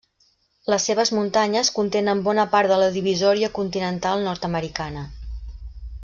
Les seves muntanyes contenen bona part de la divisòria continental nord-americana.